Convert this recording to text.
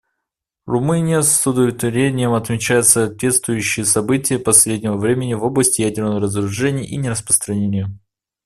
Румыния с удовлетворением отмечает соответствующие события последнего времени в области ядерного разоружения и нераспространения.